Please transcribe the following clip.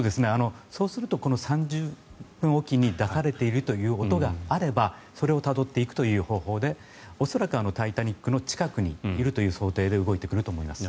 そうすると、３０分おきに出されているという音があればそれをたどっていくという方法で恐らく「タイタニック」の近くにいるという想定で動いてくると思います。